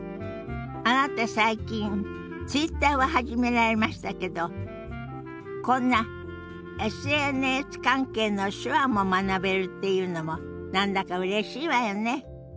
あなた最近Ｔｗｉｔｔｅｒを始められましたけどこんなＳＮＳ関係の手話も学べるっていうのも何だかうれしいわよね。